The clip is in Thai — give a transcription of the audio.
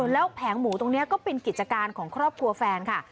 แล้วแผงหมูตรงนี้ก็เป็นกิจการของครอบครัวแฟนค่ะ